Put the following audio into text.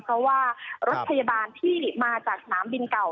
เพราะว่ารถพยาบาลที่มาจากสนามบินเก่า